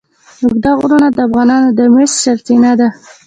اوږده غرونه د افغانانو د معیشت سرچینه ده.